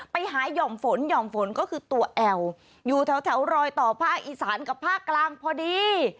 หาย่อมฝนหย่อมฝนก็คือตัวแอลอยู่แถวรอยต่อภาคอีสานกับภาคกลางพอดี